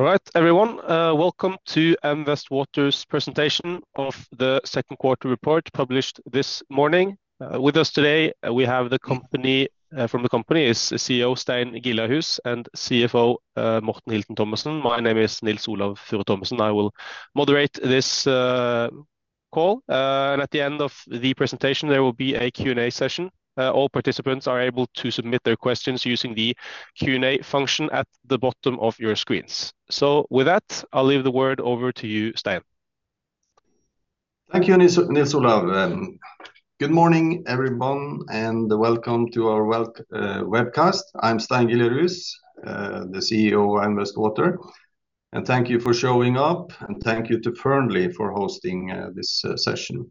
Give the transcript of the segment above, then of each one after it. All right, everyone, welcome to M Vest Water's presentation of the second quarter report published this morning. With us today, we have the company, from the company is CEO, Stein Giljarhus, and CFO, Morten Hilton Thomassen. My name is Nils Olav Furu Thomsen. I will moderate this call, and at the end of the presentation, there will be a Q&A session. All participants are able to submit their questions using the Q&A function at the bottom of your screens. So with that, I'll leave the word over to you, Stein. Thank you, Nils, Nils Olav. Good morning, everyone, and welcome to our webcast. I'm Stein Giljarhus, the CEO of M Vest Water, and thank you for showing up, and thank you to Fearnley for hosting this session.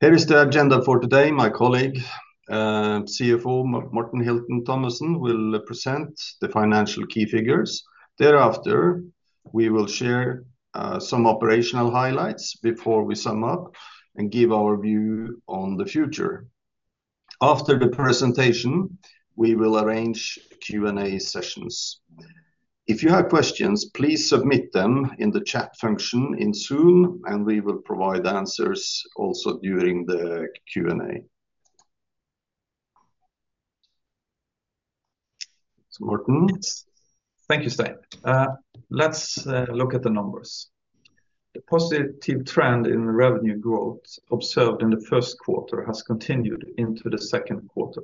Here is the agenda for today. My colleague, CFO Morten Hilton Thomassen, will present the financial key figures. Thereafter, we will share some operational highlights before we sum up and give our view on the future. After the presentation, we will arrange Q&A sessions. If you have questions, please submit them in the chat function in Zoom, and we will provide answers also during the Q&A. So, Morten? Thank you, Stein. Let's look at the numbers. The positive trend in revenue growth observed in the first quarter has continued into the second quarter.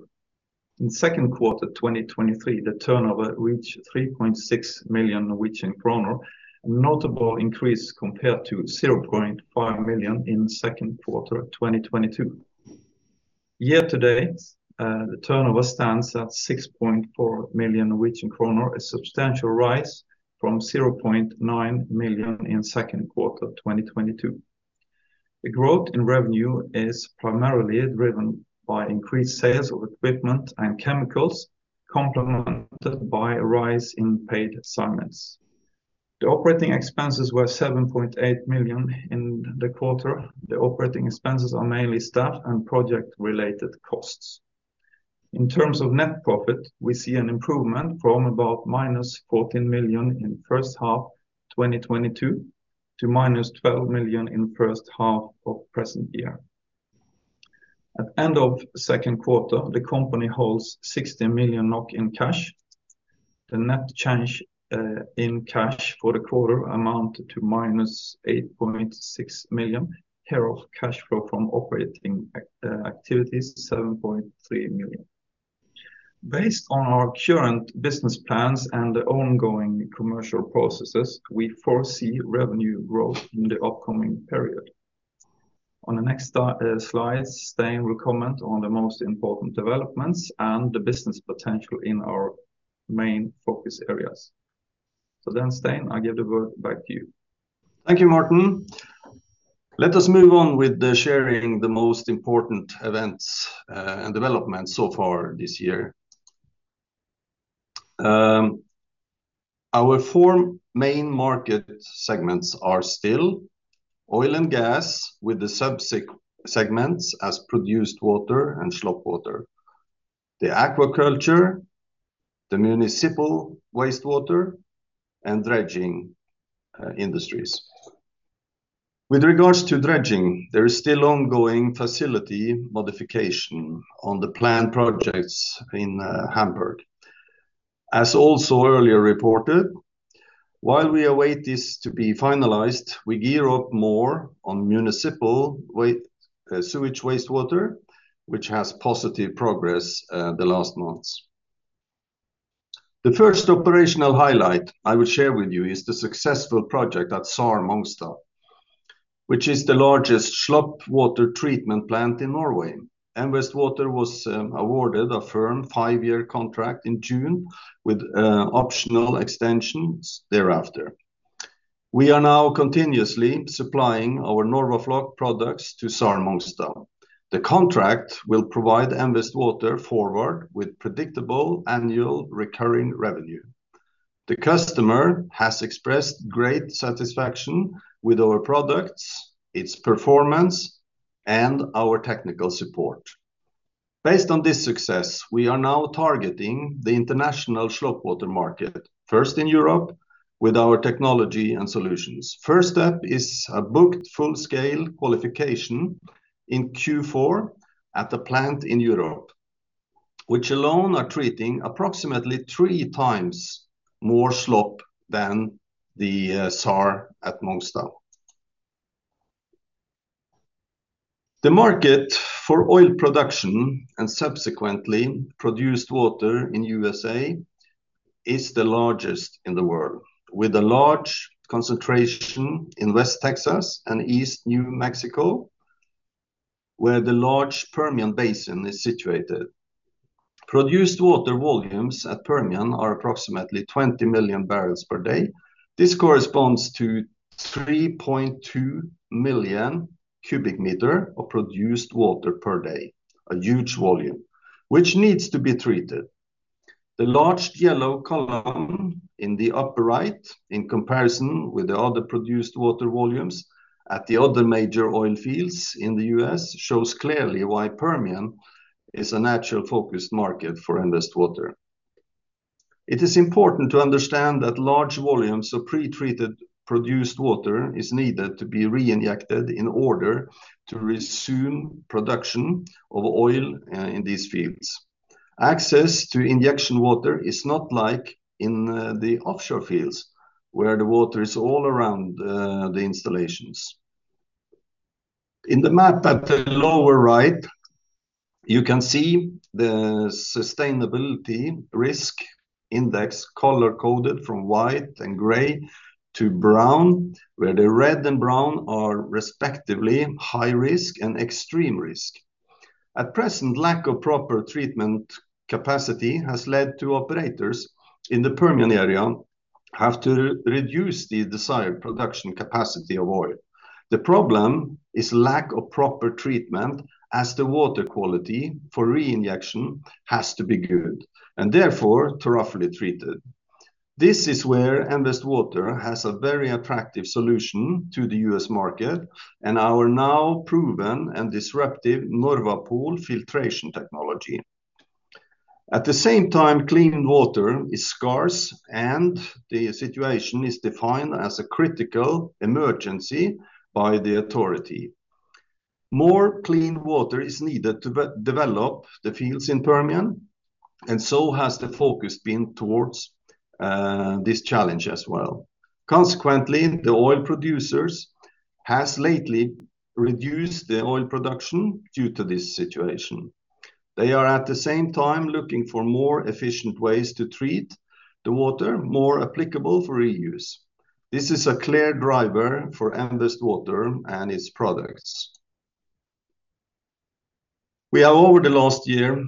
In second quarter, 2023, the turnover reached 3.6 million Norwegian kroner, a notable increase compared to 0.5 million in second quarter of 2022. Year to date, the turnover stands at 6.4 million Norwegian kroner, a substantial rise from 0.9 million in second quarter of 2022. The growth in revenue is primarily driven by increased sales of equipment and chemicals, complemented by a rise in paid assignments. The operating expenses were 7.8 million in the quarter. The operating expenses are mainly staff and project-related costs. In terms of net profit, we see an improvement from about -14 million NOK in first half 2022 to -12 million NOK in first half of present year. At end of second quarter, the company holds 60 million NOK in cash. The net change in cash for the quarter amount to -8.6 million NOK, thereof, cash flow from operating activities 7.3 million NOK. Based on our current business plans and the ongoing commercial processes, we foresee revenue growth in the upcoming period. On the next slides, Stein will comment on the most important developments and the business potential in our main focus areas. So then, Stein, I'll give the word back to you. Thank you, Morten. Let us move on with sharing the most important events and developments so far this year. Our four main market segments are still oil and gas, with the sub-segments as produced water and slop water, the aquaculture, the municipal wastewater, and dredging industries. With regards to dredging, there is still ongoing facility modification on the planned projects in Hamburg. As also earlier reported, while we await this to be finalized, we gear up more on municipal waste sewage wastewater, which has positive progress the last months. The first operational highlight I will share with you is the successful project at SAR Mongstad, which is the largest slop water treatment plant in Norway. M Vest Water was awarded a firm five-year contract in June with optional extensions thereafter. We are now continuously supplying our NORWAFLOC products to SAR Mongstad. The contract will provide M Vest Water forward with predictable annual recurring revenue. The customer has expressed great satisfaction with our products, its performance, and our technical support. Based on this success, we are now targeting the international slop water market, first in Europe with our technology and solutions. First step is a booked full-scale qualification in Q4 at a plant in Europe, which alone are treating approximately three times more slop than the SAR at Mongstad. The market for oil production and subsequently produced water in USA is the largest in the world, with a large concentration in West Texas and East New Mexico, where the large Permian Basin is situated. Produced water volumes at Permian are approximately 20 million barrels per day. This corresponds to 3.2 million cubic meter of produced water per day, a huge volume, which needs to be treated. The large yellow column in the upper right, in comparison with the other produced water volumes at the other major oil fields in the U.S., shows clearly why Permian is a natural focused market for M Vest Water. It is important to understand that large volumes of pre-treated produced water is needed to be reinjected in order to resume production of oil in these fields. Access to injection water is not like in the offshore fields, where the water is all around the installations. In the map at the lower right, you can see the sustainability risk index color-coded from white and gray to brown, where the red and brown are respectively high risk and extreme risk. At present, lack of proper treatment capacity has led to operators in the Permian area have to reduce the desired production capacity of oil. The problem is lack of proper treatment, as the water quality for reinjection has to be good, and therefore, thoroughly treated. This is where M Vest Water has a very attractive solution to the US market, and our now proven and disruptive NORWAPOL filtration technology. At the same time, clean water is scarce and the situation is defined as a critical emergency by the authority. More clean water is needed to develop the fields in Permian, and so has the focus been towards this challenge as well. Consequently, the oil producers has lately reduced the oil production due to this situation. They are, at the same time, looking for more efficient ways to treat the water, more applicable for reuse. This is a clear driver for M Vest Water and its products. We have, over the last year,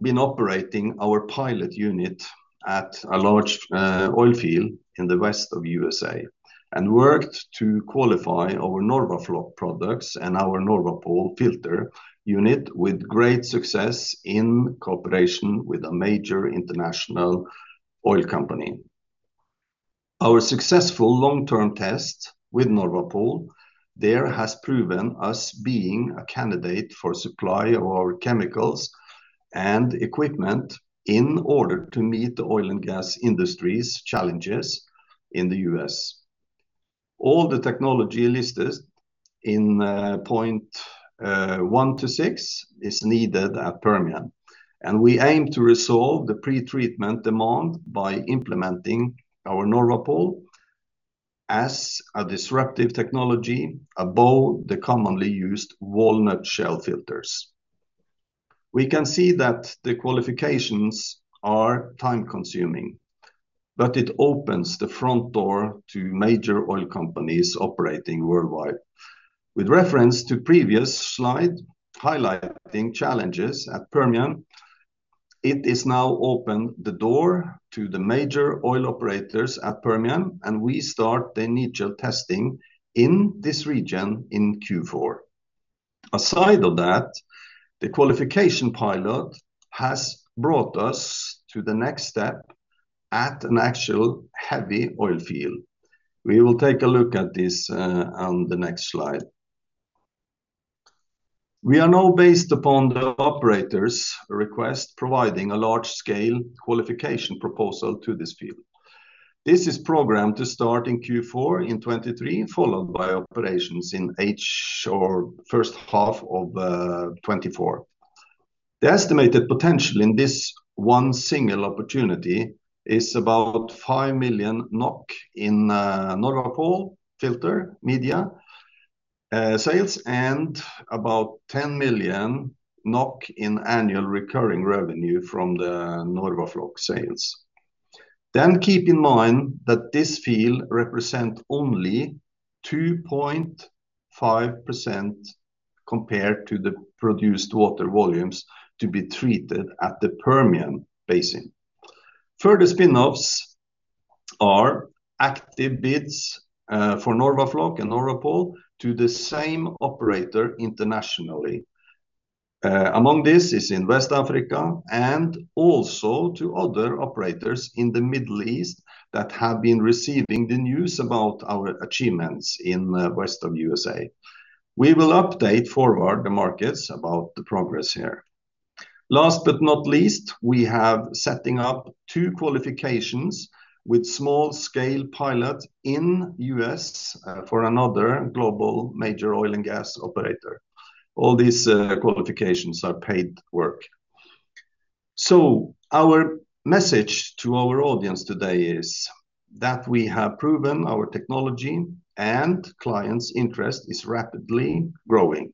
been operating our pilot unit at a large oil field in the west of USA, and worked to qualify our NORWAFLOC products and our NORWAPOL filter unit with great success in cooperation with a major international oil company. Our successful long-term test with NORWAPOL there has proven us being a candidate for supply of our chemicals and equipment in order to meet the oil and gas industry's challenges in the U.S. All the technology listed in point one to six is needed at Permian, and we aim to resolve the pre-treatment demand by implementing our NORWAPOL as a disruptive technology above the commonly used walnut shell filters. We can see that the qualifications are time-consuming, but it opens the front door to major oil companies operating worldwide. With reference to previous slide highlighting challenges at Permian, it is now open the door to the major oil operators at Permian, and we start the initial testing in this region in Q4. Aside of that, the qualification pilot has brought us to the next step at an actual heavy oil field. We will take a look at this on the next slide. We are now, based upon the operator's request, providing a large-scale qualification proposal to this field. This is programmed to start in Q4 in 2023, followed by operations in H1 or first half of 2024. The estimated potential in this one single opportunity is about 5 million NOK in NORWAPOL filter media sales, and about 10 million NOK in annual recurring revenue from the NORWAFLOC sales. Then keep in mind that this field represent only 2.5% compared to the produced water volumes to be treated at the Permian Basin. Further spin-offs are active bids for NORWAFLOC and NORWAPOL to the same operator internationally. Among this is in West Africa and also to other operators in the Middle East that have been receiving the news about our achievements in west of USA. We will update forward the markets about the progress here. Last but not least, we have setting up two qualifications with small-scale pilot in US for another global major oil and gas operator. All these qualifications are paid work. So our message to our audience today is that we have proven our technology and clients' interest is rapidly growing.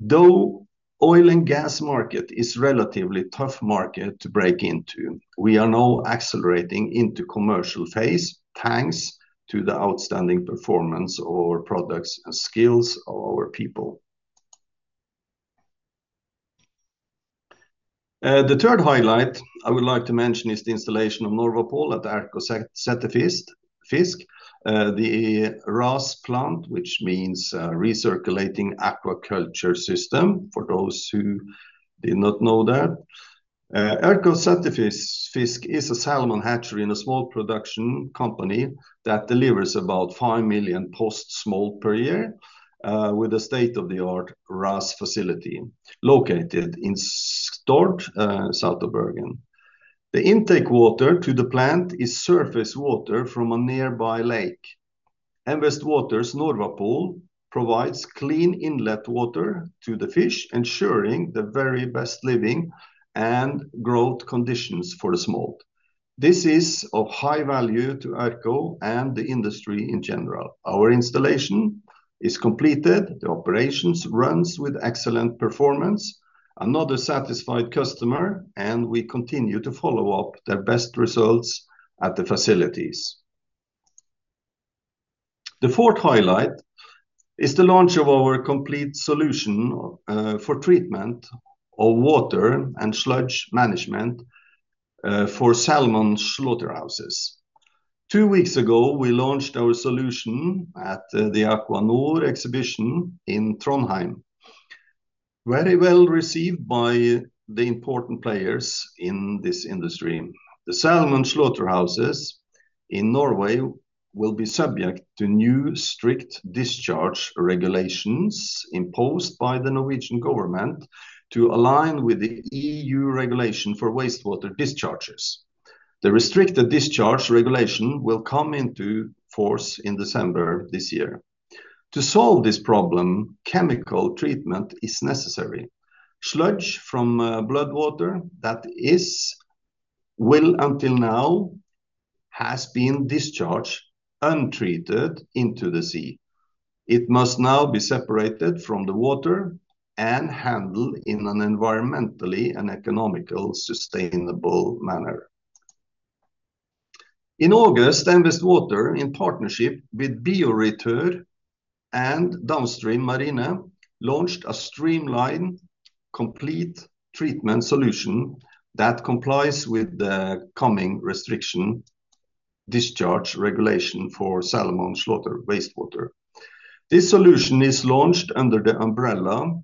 Though oil and gas market is relatively tough market to break into, we are now accelerating into commercial phase, thanks to the outstanding performance of our products and skills of our people. The third highlight I would like to mention is the installation of NORWAPOL at the Erko Settefisk, the RAS plant, which means recirculating aquaculture system, for those who did not know that. Erko Settefisk is a salmon hatchery and a smolt production company that delivers about 5 million post-smolt per year, with a state-of-the-art RAS facility located in Stord, south of Bergen. The intake water to the plant is surface water from a nearby lake. M Vest Water's NORWAPOL provides clean inlet water to the fish, ensuring the very best living and growth conditions for the smolt. This is of high value to Erko and the industry in general. Our installation is completed, the operations runs with excellent performance, another satisfied customer, and we continue to follow up their best results at the facilities. The fourth highlight is the launch of our complete solution for treatment of water and sludge management for salmon slaughterhouses. Two weeks ago, we launched our solution at the Aqua Nor Exhibition in Trondheim. Very well received by the important players in this industry. The salmon slaughterhouses in Norway will be subject to new strict discharge regulations imposed by the Norwegian government to align with the EU regulation for wastewater discharges. The restricted discharge regulation will come into force in December this year. To solve this problem, chemical treatment is necessary. Sludge from blood water, that is, well, until now, has been discharged untreated into the sea. It must now be separated from the water and handled in an environmentally and economically sustainable manner. In August, M Vest Water, in partnership with Bioretur and Downstream Marine, launched a streamlined, complete treatment solution that complies with the coming restriction discharge regulation for salmon slaughter wastewater. This solution is launched under the umbrella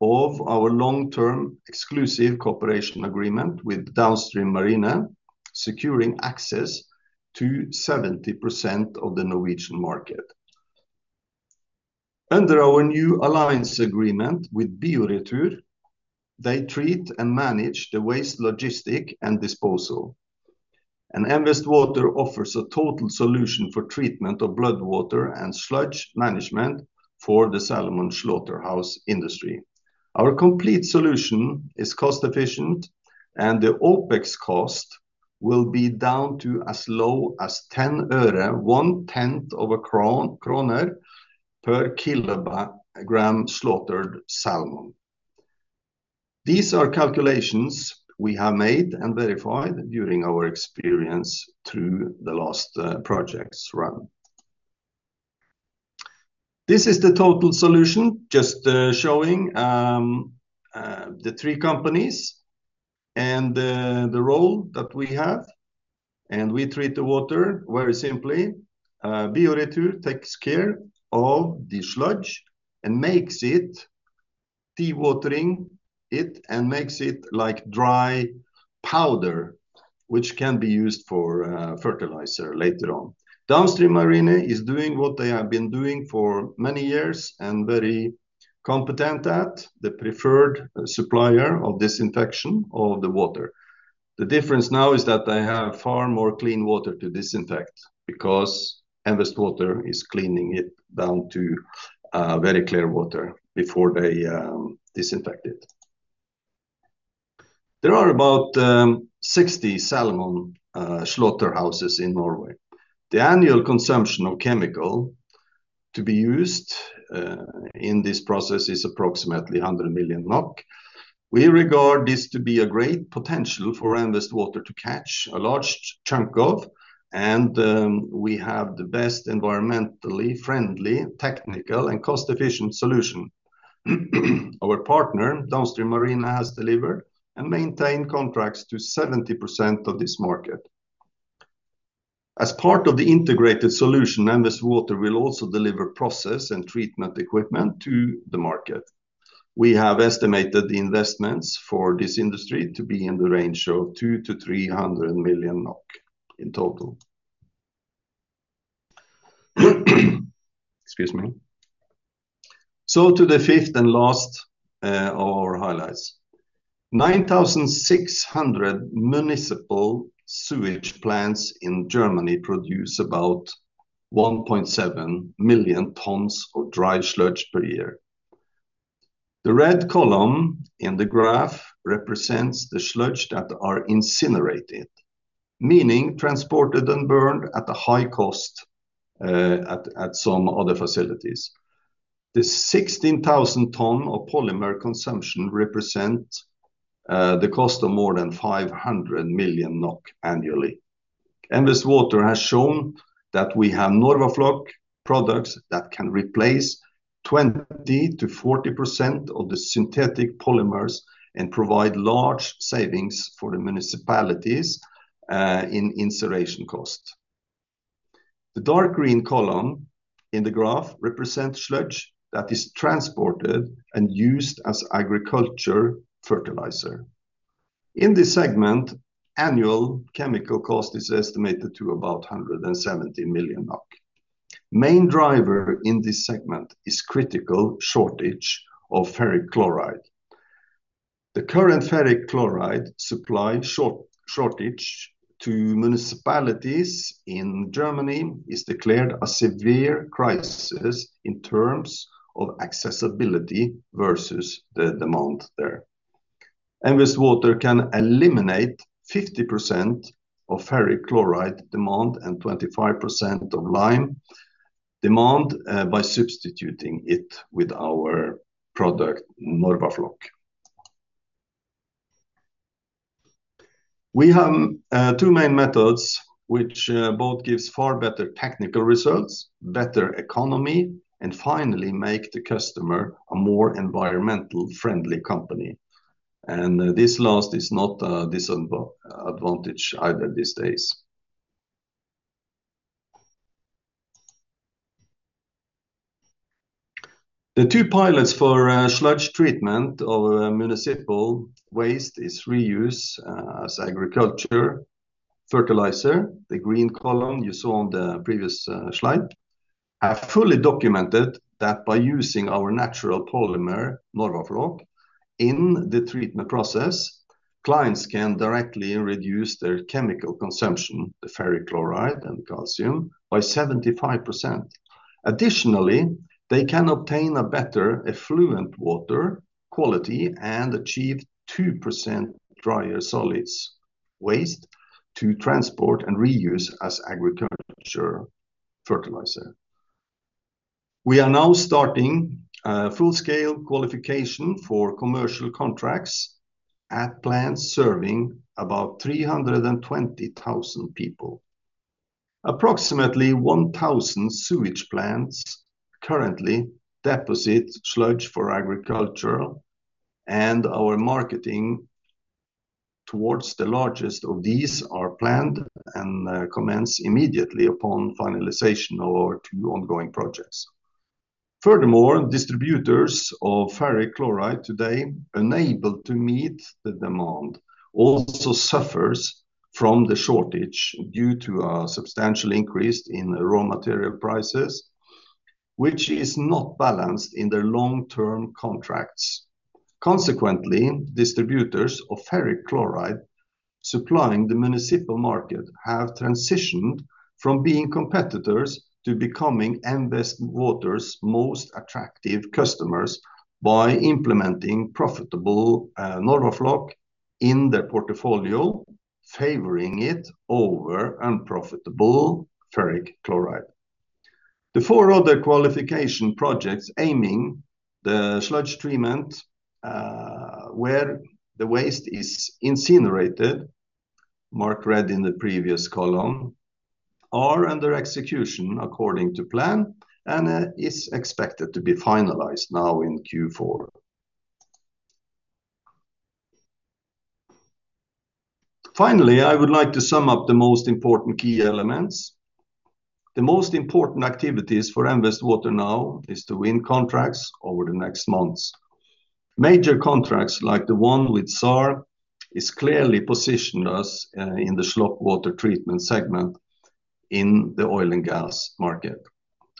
of our long-term exclusive cooperation agreement with Downstream Marine, securing access to 70% of the Norwegian market. Under our new alliance agreement with Bioretur, they treat and manage the waste logistics and disposal, and M Vest Water offers a total solution for treatment of blood water and sludge management for the salmon slaughterhouse industry. Our complete solution is cost-efficient, and the OPEX cost will be down to as low as 10 øre, one-tenth of a krone per kilogram slaughtered salmon. These are calculations we have made and verified during our experience through the last projects run. This is the total solution, just showing the three companies and the role that we have. And we treat the water very simply. Bioretur takes care of the sludge and makes it dewatering it and makes it like dry powder, which can be used for fertilizer later on. Downstream Marine is doing what they have been doing for many years and very competent at the preferred supplier of disinfection of the water. The difference now is that they have far more clean water to disinfect because M Vest Water is cleaning it down to very clear water before they disinfect it. There are about 60 salmon slaughterhouses in Norway. The annual consumption of chemical to be used in this process is approximately 100 million NOK. We regard this to be a great potential for M Vest Water to catch a large chunk of, and we have the best environmentally friendly, technical, and cost-efficient solution. Our partner, Downstream Marine, has delivered and maintained contracts to 70% of this market. As part of the integrated solution, M Vest Water will also deliver process and treatment equipment to the market. We have estimated the investments for this industry to be in the range of 200-300 million NOK in total. Excuse me. So to the fifth and last of our highlights. 9,600 municipal sewage plants in Germany produce about 1.7 million tons of dry sludge per year. The red column in the graph represents the sludge that are incinerated, meaning transported and burned at a high cost, at, at some other facilities. The 16,000 tons of polymer consumption represent, the cost of more than 500 million NOK annually. M Vest Water has shown that we have NORWAFLOC products that can replace 20%-40% of the synthetic polymers and provide large savings for the municipalities, in incineration cost. The dark green column in the graph represents sludge that is transported and used as agriculture fertilizer. In this segment, annual chemical cost is estimated to about 170 million NOK. Main driver in this segment is critical shortage of ferric chloride. The current ferric chloride supply shortage to municipalities in Germany is declared a severe crisis in terms of accessibility versus the demand there. M Vest Water can eliminate 50% of ferric chloride demand and 25% of lime demand by substituting it with our product, NORWAFLOC. We have two main methods which both gives far better technical results, better economy, and finally make the customer a more environmental friendly company. And this last is not a disadvantage either these days. The two pilots for sludge treatment of municipal waste is reuse as agriculture fertilizer. The green column you saw on the previous slide have fully documented that by using our natural polymer, NORWAFLOC, in the treatment process, clients can directly reduce their chemical consumption, the ferric chloride and calcium, by 75%. Additionally, they can obtain a better effluent water quality and achieve 2% drier solids waste to transport and reuse as agriculture fertilizer. We are now starting a full-scale qualification for commercial contracts at plants serving about 320,000 people. Approximately 1,000 sewage plants currently deposit sludge for agricultural, and our marketing towards the largest of these are planned and commence immediately upon finalization of our two ongoing projects. Furthermore, distributors of ferric chloride today unable to meet the demand also suffers from the shortage due to a substantial increase in raw material prices, which is not balanced in their long-term contracts. Consequently, distributors of ferric chloride supplying the municipal market have transitioned from being competitors to becoming M Vest Water's most attractive customers by implementing profitable, NORWAFLOC in their portfolio, favoring it over unprofitable ferric chloride. The four other qualification projects aiming the sludge treatment, where the waste is incinerated, marked red in the previous column, are under execution according to plan and, is expected to be finalized now in Q4. Finally, I would like to sum up the most important key elements. The most important activities for M Vest Water now is to win contracts over the next months. Major contracts, like the one with SAR, has clearly positioned us, in the slop water treatment segment in the oil and gas market.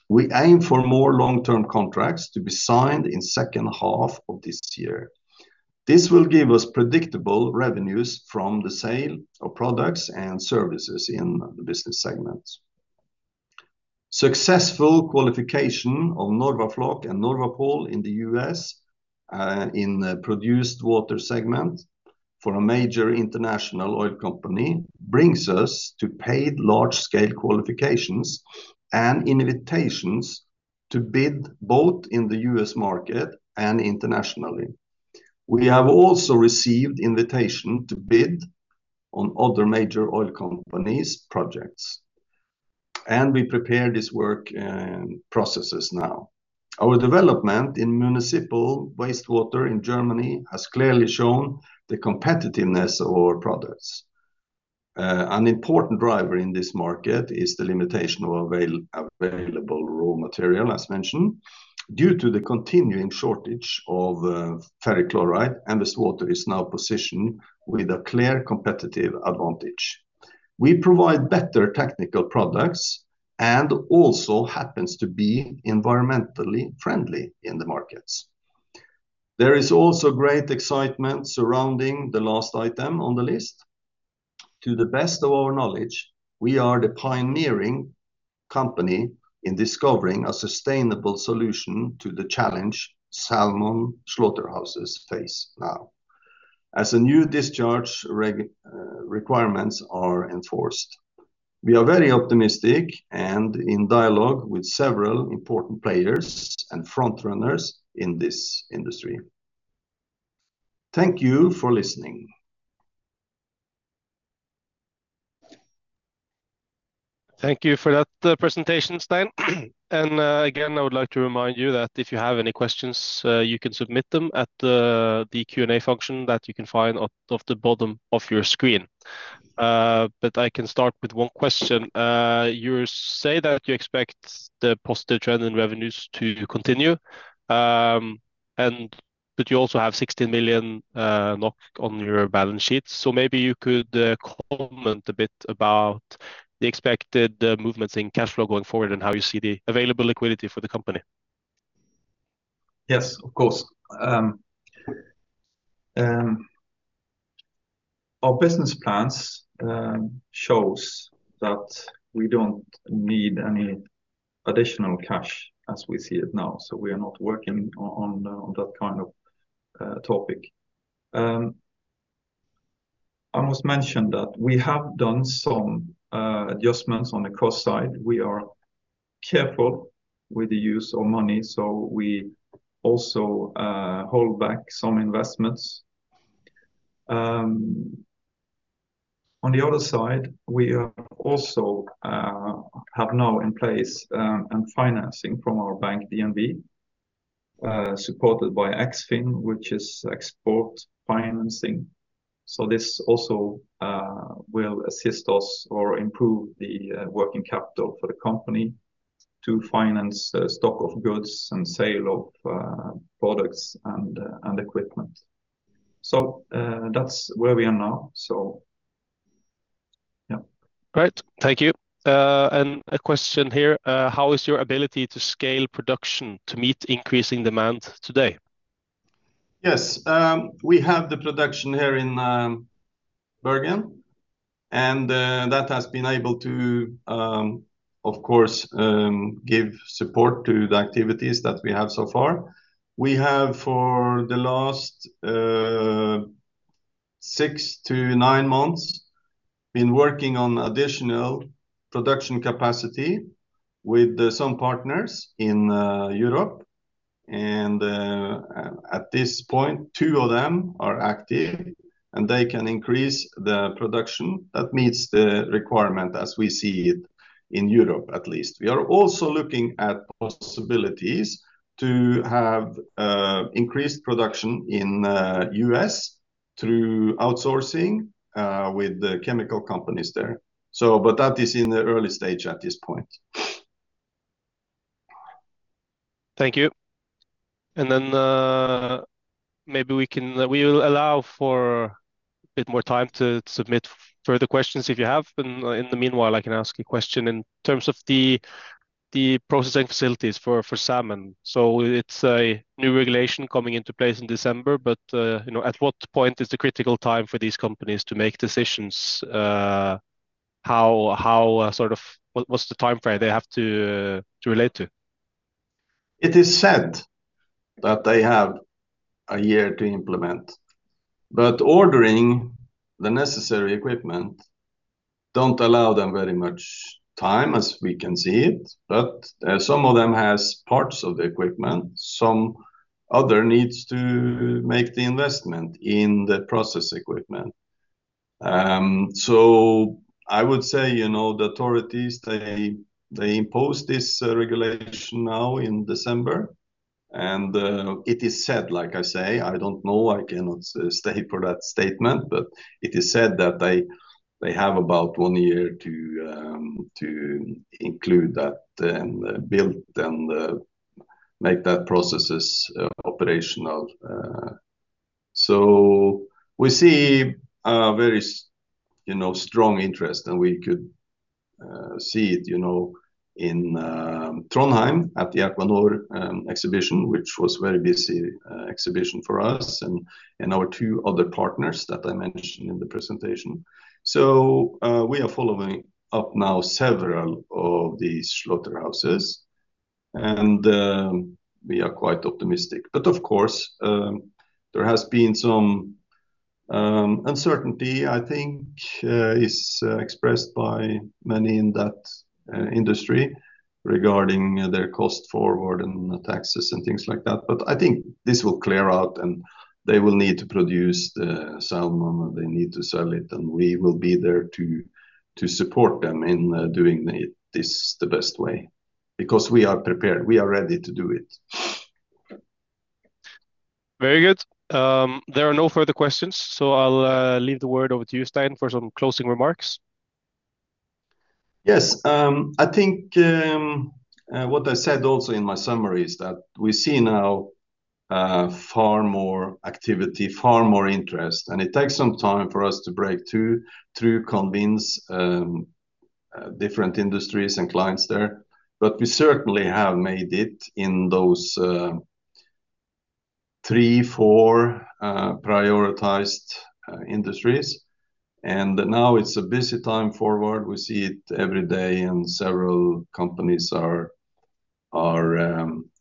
We aim for more long-term contracts to be signed in second half of this year. This will give us predictable revenues from the sale of products and services in the business segments. Successful qualification of NORWAFLOC and NORWAPOL in the U.S., in the produced water segment for a major international oil company, brings us to paid large-scale qualifications and invitations to bid both in the U.S. market and internationally. We have also received invitation to bid on other major oil companies' projects, and we prepare this work, processes now. Our development in municipal wastewater in Germany has clearly shown the competitiveness of our products. An important driver in this market is the limitation of available raw material, as mentioned. Due to the continuing shortage of ferric chloride, M Vest Water is now positioned with a clear competitive advantage. We provide better technical products and also happens to be environmentally friendly in the markets. There is also great excitement surrounding the last item on the list. To the best of our knowledge, we are the pioneering company in discovering a sustainable solution to the challenge salmon slaughterhouses face now, as the new discharge requirements are enforced. We are very optimistic and in dialogue with several important players and front runners in this industry. Thank you for listening. Thank you for that, presentation, Stein. And, again, I would like to remind you that if you have any questions, you can submit them at the, the Q&A function that you can find off the bottom of your screen. But I can start with one question. You say that you expect the positive trend in revenues to continue, and but you also have 16 million NOK on your balance sheet. So maybe you could comment a bit about the expected, movements in cash flow going forward and how you see the available liquidity for the company? Yes, of course. Our business plans shows that we don't need any additional cash as we see it now, so we are not working on that kind of topic. I must mention that we have done some adjustments on the cost side. We are careful with the use of money, so we also hold back some investments. On the other side, we are also have now in place a financing from our bank, DNB, supported by Eksfin, which is export financing. So this also will assist us or improve the working capital for the company to finance stock of goods and sale of products and equipment. So, that's where we are now, so yeah. Great. Thank you. And a question here, how is your ability to scale production to meet increasing demand today? Yes, we have the production here in Bergen, and that has been able to, of course, give support to the activities that we have so far. We have, for the last six-nine months, been working on additional production capacity with some partners in Europe. And at this point, two of them are active, and they can increase the production that meets the requirement as we see it in Europe at least. We are also looking at possibilities to have increased production in U.S. through outsourcing with the chemical companies there. But that is in the early stage at this point. Thank you. And then, maybe we can. We will allow for a bit more time to submit further questions if you have, but in the meanwhile, I can ask a question. In terms of the processing facilities for salmon, so it's a new regulation coming into place in December, but you know, at what point is the critical time for these companies to make decisions? How, sort of. What's the time frame they have to relate to? It is said that they have a year to implement, but ordering the necessary equipment don't allow them very much time, as we can see it, but some of them has parts of the equipment, some other needs to make the investment in the process equipment. So I would say, you know, the authorities they imposed this regulation now in December, and it is said, like I say, I don't know, I cannot stay for that statement, but it is said that they have about one year to include that and build and make that processes operational. So we see a very, you know, strong interest, and we could see it, you know, in Trondheim at the Aqua Nor exhibition, which was very busy exhibition for us and our two other partners that I mentioned in the presentation. So we are following up now several of these slaughterhouses, and we are quite optimistic. But of course, there has been some uncertainty, I think, is expressed by many in that industry regarding their cost forward and taxes and things like that. But I think this will clear out, and they will need to produce the salmon, and they need to sell it, and we will be there to support them in doing this the best way, because we are prepared. We are ready to do it. Very good. There are no further questions, so I'll leave the word over to you, Stein, for some closing remarks. Yes. I think what I said also in my summary is that we see now far more activity, far more interest, and it takes some time for us to break through, convince different industries and clients there. But we certainly have made it in those three, four prioritized industries. And now it's a busy time forward. We see it every day, and several companies are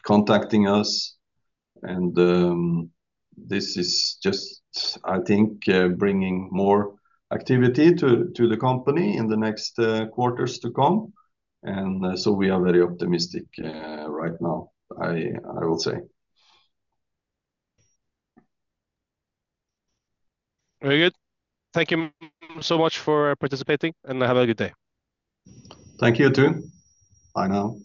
contacting us, and this is just, I think, bringing more activity to the company in the next quarters to come, and so we are very optimistic right now, I will say. Very good. Thank you so much for participating, and have a good day. Thank you, too. Bye now.